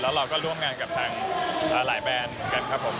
แล้วเราก็ร่วมงานกับทางหลายแบรนด์เหมือนกันครับผม